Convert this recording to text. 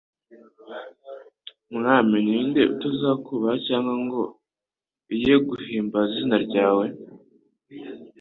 Mwami ni nde utazakubaha cyangwa ngo ye guhimbaza Izina ryawe?